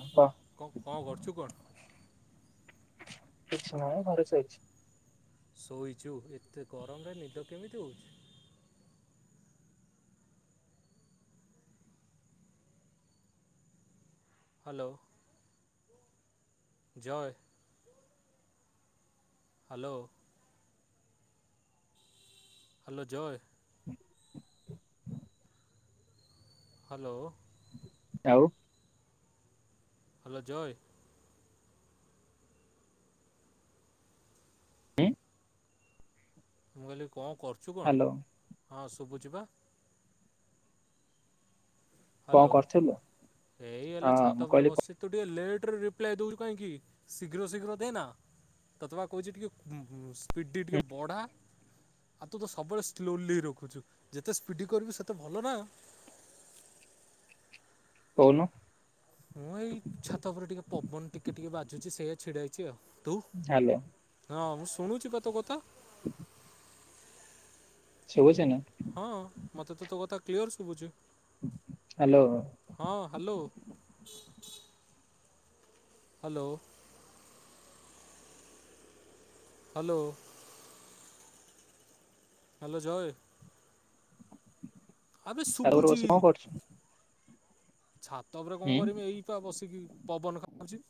[inaudible] କ ଙ୍କ କଂ କରୁଚୁ କଣ? [inaudible] କିଛି ନାଇ ଘରେ ଶୋଇଚି। ଶୋଇଚୁ ଏତେ ଗରମରେ ନିଦ କେମିତି ହୋଉଚି? ହାଲୋ। ଜୟେ ହାଲୋ। ହାଲୋ ଜୟ। ହାଲୋ। ଆଉ ହାଲୋ ଜୟେ। [inaudible] ମୁଁ କହିଲି କଣ କରୁଛୁ କଣ ହାଲୋ ହଁ ଶୁଭୁଚି ବା। କଣ ହାଲୋ। [inaudible] କରୁଥିଲୁ? ଏଇ ହଁ ଏଇଲା ଛାତ ମୁଁ ଉପରେ କହିଲି ବସିଚି। ତୁ ଟିକେ ଲେଟ୍ ରେ ରିପ୍ଲାଏ ଦୋଉଛୁ କାହିଁକି ଶୀଘ୍ର ଶୀଘ୍ର ଦେନା। ତତେ ବା କହୁଛି ଟିକେ ଉ ଉ ସ୍ପିଡ଼ି ଟିକେ ଉଁ ବଢ଼ା। ଆଉ ତୁ ତ ସବୁବେଳେ ସ୍ଲୋଲି ରଖୁଛୁ ଯେତେ ସ୍ପିଡ଼ି କରିବୁ ସେତେ ଭଲ ନା। କହୁନୁ? ମୁଁ ଏଇ ଛାତ ଉପରେ ଟିକେ ପବନ ଟିକେ ଟିକେ ବାଜୁଛି ସେଇଆ ଛିଡ଼ା ହେଇଛି ଆଉ ତୁ? ହ୍ୟାଲୋ। ହଁ ମୁଁ ଶୁଣୁଚି ଵା ତୋ କଥା। [inaudible] ଶୁଭୁଚି ନା। ହଁ ମତେ ତ ତୋ କଥା କ୍ଲିଅର୍ ଶୁଭୁଚି। ହ୍ୟାଲୋ। ହଁ hello. Hello. Hello. Hello Jay. ଆବେ ଛାତ ଉପରେ ଶୁଭୁଛି ବସି କଣ କରୁଚୁ? ଛାତ ଉପରେ କଣ କରମି ଏଇ ପା ବସିକି ପବନ ଖାଉଚି।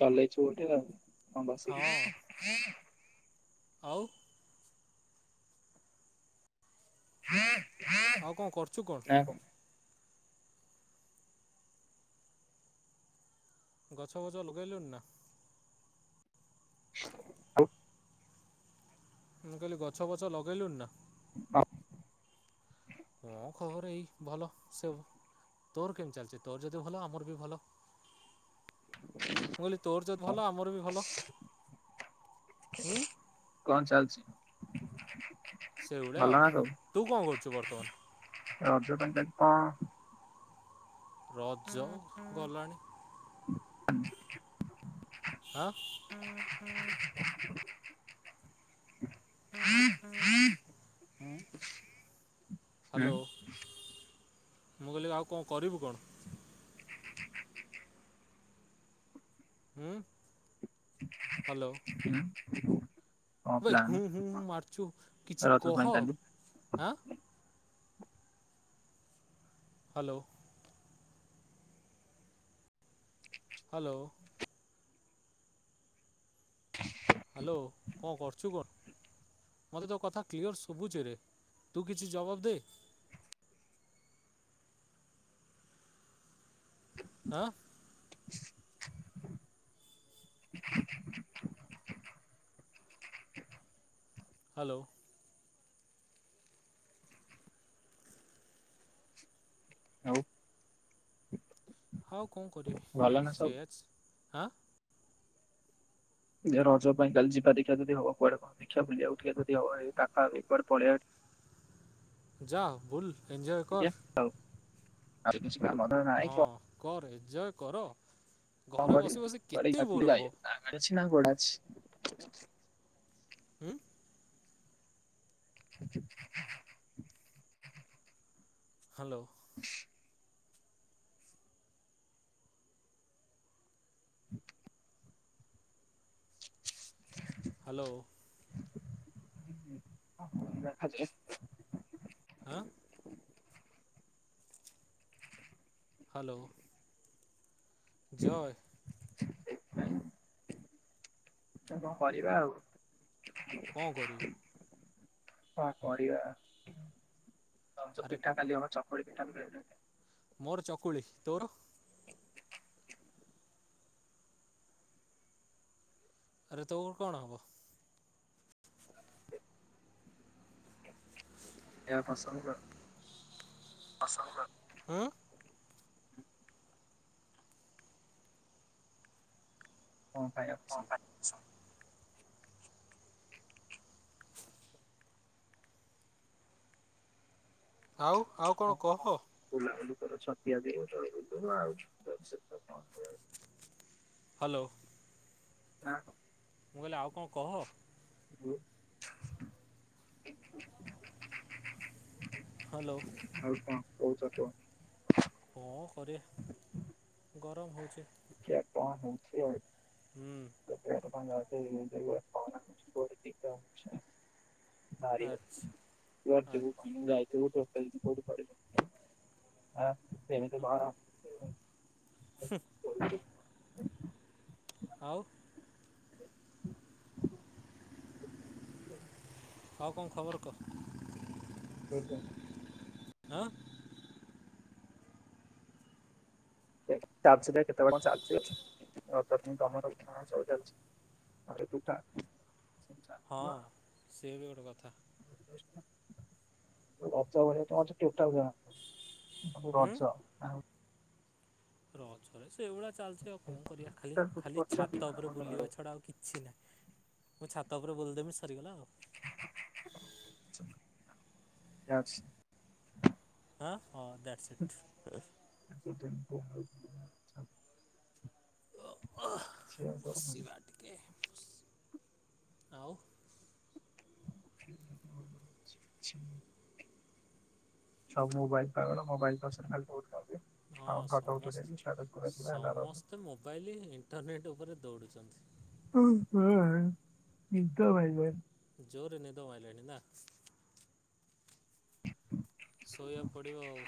ଚଲେଇଚୁ ଗୋଟେ ଆଉ ହଁ ବସିକି। ଆଉ। [inaudible] ଆଉ କଣ କରୁଛୁ କଣ? ଗଛ-ବଛ ଲଗେଇଲୁଣି ନା? [unintelligible] ମୁଁ କହିଲି ଗଛ-ବଛ ଲଗେଇଲୁଣି ନା? [unintelligible] କଣ ଖବର ଏଇ ଭଲ ସବୁ। ତୋର କେମିତି ଚାଲିଛି? ତୋର ଯଦି ଭଲ ଆମର ବି ଭଲ। [inaudible] ମୁଁ କହିଲି ତୋର ଯଦି ଭଲ ଆମର ବି ଭଲ। ହୁଁ। କଣ ଚାଲିଛି? ସେଇଭଳିଆ ଭଲ ଆଉ। ନା ସବୁ? ତୁ କଣ କରୁଛୁ ବର୍ତ୍ତମାନ? ରଜ ଯାଙ୍କେ କଣ? ରଜ ଗଲାଣି। [inaudible] ହାଁ। [inaudible] [inaudible] ହ୍ୟାଲୋ [unintelligible] ମୁଁ କହିଲି ଆଉ କଣ କରିଵୁ କଣ? [inaudible] ହୁଁ। [inaudible] ଆବେ ପ୍ଲାନ ହୁଁ ହୁଁ ମାରୁଛୁ କିଛି ରଜ ପାଇଁ କହ କାଲି? ଆଁ? ହ୍ୟାଲୋ। ହ୍ୟାଲୋ। ହ୍ୟାଲୋ। କଣ କରୁଛୁ କଣ? ମୋତେ ତୋ କଥା କ୍ଲିଅର ସବୁଛିରେ। ତୁ କିଛି ଜବାବ ଦେ। ହାଁ [inaudible] [inaudible] ହ୍ୟାଲୋ। ଆଉ [inaudible] ହଉ କଣ କରିବ? ଭଲ ନା ସବୁ? ସେଇଆ ହାଁ। ରଜ ପାଇଁ କାଲି ଯିବା ଦେଖିବା ଯଦି ହବ କୁଆଡେ ଦେଖିବା ବୁଲିବା ବୁଲିବାକୁ ଯଦି ହବ ପାଖ ଆଖ କୁଆଡେ ବୁଲିବାକୁ ପଳେଇବା। ଯାଆ ଏଞ୍ଜୟ କର। ଆ କିଛି କାମ ଧନ୍ଦା ନାଇ ହଁ କଣ? କର ଏଞ୍ଜୟ କର ଘରେ ବସି ବସି କେତେ ବୋର୍ ହବ ହବନି ଊ ହ୍ୟାଲୋ ହ୍ୟାଲୋ ଦେଖା ହଁ ହ୍ୟାଲୋ ଜୟ। କଣ କରିବା ଆଉ? କଣ କରିବୁ କଣ କରିବା? [unintelligible] ଆରେ ପିଠା କାଲି ହବ ଚକୁଳି ପିଠା [unintelligible] ମୋର ଚକୁଳି। ତୋର? ଆରେ ତୋର କଣ ହବ? [unintelligible] [unintelligible] [unintelligible] ସ ଆଉ ଆଉ କଣ କହ। ବୁଲାବୁଲି କଲୁ ଛତିଆ ଦେଉ [unintelligible] ହାଲୋ। [unintelligible] ମୁଁ କହିଲି ଆଉ କଣ କହ? ଊ ହ୍ୟାଲୋ। ଆଉ କଣ କହୁଚ କୁହ। ମୋ ଘରେ ଗରମ ହେଉଚି। ଖିଆ କଣ ହେଉଚି ଆଉ। ହୁ। [unintelligible] ଆଚ୍ଛା [unintelligible] ଆ ଯାଇଥିବ ତୋଟଲି ପଢ଼ି ପାରିବୁ। ସେମିତି ପହର ହୁ ଆଉ ଆଉ କଣ ଖବର କହ? [unintelligible] ଆଁ? [unintelligible] ଆରେ ଟୁଟା ହଁ ସିଏ ବି ଗୋଟେ କଥା [unintelligible] ରଜ ଆଉ ରଜ ରେ ସେଇଭଳିଆ ଚାଲିଚି ଆଉ କଣ କରିବା ଖାଲି ସବୁ ଖାଲି ଛାତ ଉପରେ ବୁଲିବା ଛଡା ଆଉ କିଛି ନାହିଁ। ମୁଁ ଛାତ ଉପରେ ବୁଲଦେମି ସରିଗଲା ଆଉ। ଯାଉଚି। ହଁ- ହଁ ଦାଟ୍ସ ଇଟ୍। ଆଉ ସବୁ ମୋବାଇଲ୍ ପାଗଳ ମୋବାଇଲ୍ ପଛରେ ଖାଲି ପଢୁଚନ୍ତି। ହଁ ସମସ୍ତ୍- ହେଲା ରଜ। ସମସ୍ତେ ମୋବାଇଲ୍, ଇଣ୍ଟରନେଟ୍ ଉପରେ ଦୌଡ଼ୁଚନ୍ତି। ଓହୋ ନିଦ ମାଇଲାଣି। ଜୋର୍ ରେ ନିିଦ ମାଇଲାଣି ନା? ଶୋଇବାକୁ ପଡ଼ିବ ଆଉ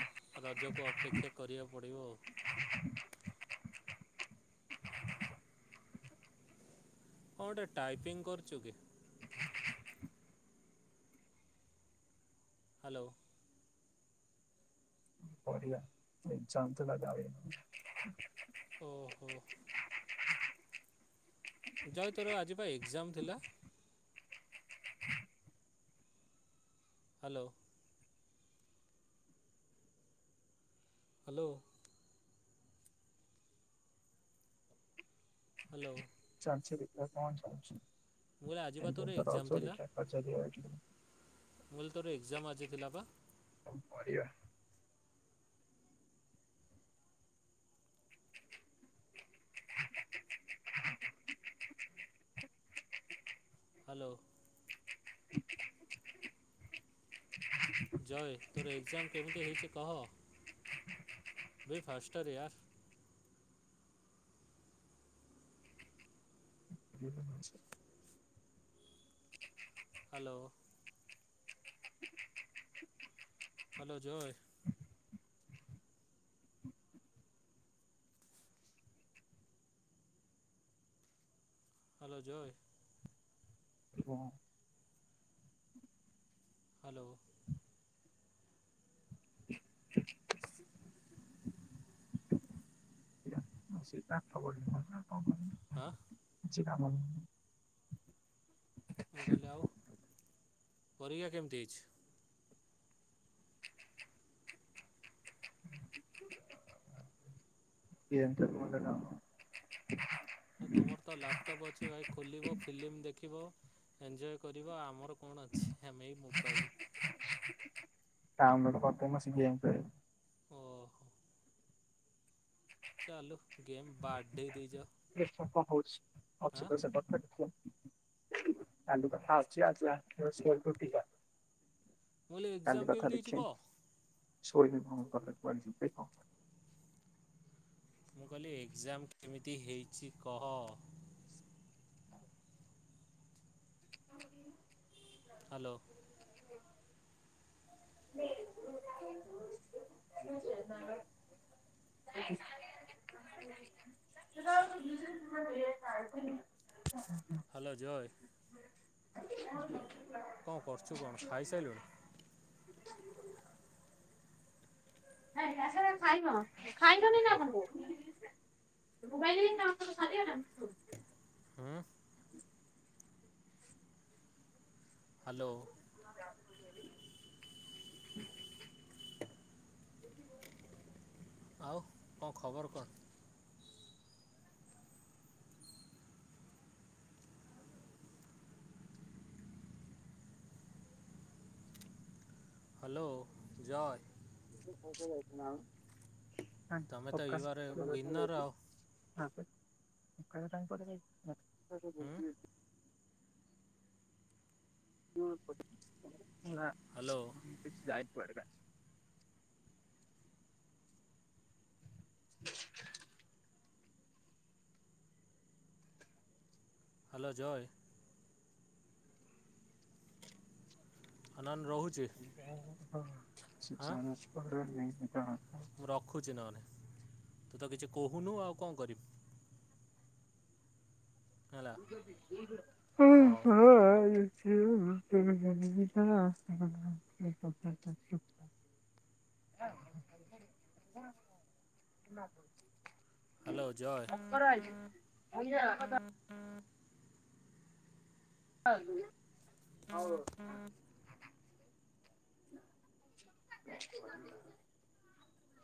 ରଜକୁ ଅପେକ୍ଷା କରିବାକୁ ପଡ଼ିବ ଆଉ। କଣ ଗୋଟେ ଟାଇପିଙ୍ଗ୍ କରୁଚୁ କି? [inaudible] ହାଲୋ। କରିବା ଏଇ [unintelligible] ଓହୋ। ଜୟ ତୋର ଆଜି ବା ଏକ୍ଜାମ୍ ଥିଲା? [inaudible] ହାଲୋ। ହାଲୋ। ହାଲୋ। ଚାଲ୍ ଚି ଦେଖିଆ କଣ ମୁଁ କହିଲି ଆଜି ଚାଲିଚି ବା ଏବେ ତୋର ତ ଏକ୍ଜାମ ରଜ ଥିଲା ଦେଖିଆ ପଚାରିଆ କିଡୁ। ମୁଁ କହିଲି ତୋର ଏକ୍ଜାମ୍ ଆଜି ଥିଲା ପା? କଣ କରିଆ? [inaudible] ହାଲୋ। ଜୟେ ତୋର ଏକ୍ଜାମ୍ କେମିତି ହେଇଚି କହ? ବି ଫାଷ୍ଟର୍ ୟାର୍। [unintelligible] ହାଲୋ। ହାଲୋ ଜୟେ ହାଲୋ ଜୟେ ହାଲୋ। ଆସିପାଠ [unintelligible] କଣ କରିବି। ଆଁ? କିଛି କାମ ଉଁ। ମୁଁ କହିଲି ଆଉ ପରୀକ୍ଷା କେମିତି ହେଇଚି? [unintelligible] ଆ ତମର ତ ଲାପଟପ୍ ଅଛି ଭାଇ ଖୋଲିବ ଫିଲ୍ମି ଦେଖିବ। ଏଞ୍ଜୟ କରିବା ଆମର କଣ ଅଛି ଆମେ ଏଇ ମୋବାଇଲି। ଡାଉନଲୋଡ୍ କରିଦମୁ ଆସି ଗେମ୍ ପେ ଓହୋ। ଚାଲୁ ଗେମ୍ ବାଡେଇ ଦେଇଜ। ଦେଖିଆ କଣ୍ ହଉଛି ଅଛି ତ ସେକଥ ଦେଖିଆ। କାଲି କଥା ଅଛି ଆଜି [unintelligible] ମୁଁ କହିଲି ଏକ୍ଜାମ କାଲି କଥା କେମିତି ହେଇଛି ଦେଖିଆ କହ? ସୋଇବି ମୁଁ ଗଲେ କୁଆଡେ ଯିବି କଣ କରି ମୁଁ କହିଲି ଏକ୍ଜାମ୍ କେମିତି ହେଇଚି କହ? ହାଲୋ। [unintelligible] [unintelligible] [unintelligible] [unintelligible] [unintelligible] ହୁଁ ହୁଁ। ହ୍ୟାଲୋ ଜୟେ [inaudible] କଁ କରଚୁ କଣ ଖାଇସାଇଲୁଣି? ହେ ଆସରେ ଖାଇବ ଖାଇ ହଁ ଏ ମୋବାଇଲରେ ସମସ୍ତଙ୍କର ସରିଗଲାଣି ସବୁ? ଉଁହୁଁ ହ୍ୟାଲୋ। ଆଉ କଁ ଖବର କଣ? ହ୍ୟାଲୋ ଜୟ ତମେ ତ ୟୁ ଆର୍ ଏ ୱିନର୍ ଆଉ। [inaudible] ହୁଁ [inaudible] ନା ହ୍ୟାଲୋ କିଛି [unintelligible] ହ୍ୟାଲୋ ଜୟ। ହ୍ୟାଲୋନ ରହୁଚି [unintelligible] ମୁଁ ରଖୁଚି ନହେନେ ତୁ ତ କିଛି କହୁନୁ ଆଉ କଁ କରି ହେଲା ହଁ ହଉ ହୋ [unintelligible] [inaudible] ହ୍ୟାଲୋ ଜୟ [unintelligible] [unintelligible] ହୋଉ ହୋଉ। [inaudible]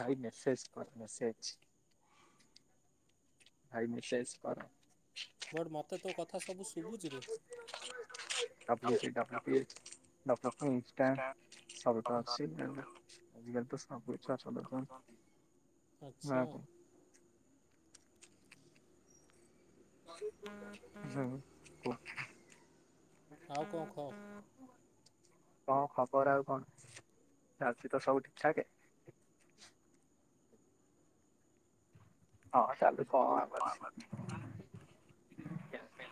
ଭାଇ ମେସେଜ କର ମେସେଜ। ଭାଇ ମେସେଜ କର। ବଟ୍ ମୋତେ ତୋ କଥା ସବୁ ଶୁଭୁଛିରେ [unintelligible] ଡକ୍ଟରଫି ଇନଷ୍ଟା ସବୁ ତ ଆଛି ଆଉ ଆଜିକା ତ ସବୁଛି ଆଛଦ ଦଚ। ଆଛା। ହୁଁ ଆଉ କଣ କହ କୂଅ। କଁ ଖବର ଆଉ କଣ ଚାଲିଚି ତ ସବୁ ଠିକ ଠାକ? ହଁ ଚାଲୁ ଥ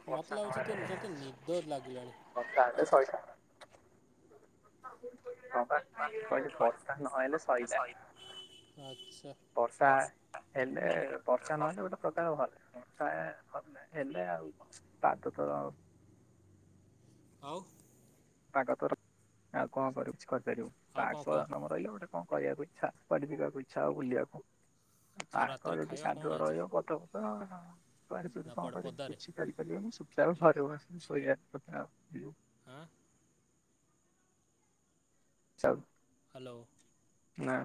ବର୍ଷା ମତେ ଲାଗୁଚି ନହେଲେ ତୋ ନିଦ ତୋ ନିଦ ଲାଗିଲାଣି। [unintelligible] ହପା ମୁଁ କହିଲି ବର୍ଷା ନହେଲେ ସଇଲା। ଆଚ୍ଛା ବର୍ଷା ହେଲେ ବର୍ଷା ନହେଲେ ଗୋଟେ ପ୍ରକାର ଭଲ। [unintelligible] ହେଲେ ଆଉ କଁ ତାଠୁ ତ ଆଉ ପାଗ ତର ଆଉ କଁ କରିବୁ କିଛି କରିପାରିବୁ ଆଉ କଣ ପାଗ କହ ନମ ରହିଲେ ଗୋଟେ କଁ କରିବାହକୁ ଇଚ୍ଛା କୁଆଡେ ଯିବାକୁ ଇଚ୍ଛା ବୁଲିବାକୁ ଆଉ ତାଙ୍କ ରାତିରେ ଯଦି ଖାଇବା କଣ ସାଙ୍ଗ ଆଜି ରହିବ ପଥପଥ [unintelligible] ନା କଁ କୁଆଡ଼େ କରିବି ପଦାରେ କିଛି କରି ପାରିବନି [unintelligible] ଶୋଇବା କଥା ଇୟେ। ଆଁ? ସବ ହ୍ୟାଲୋ। ନା।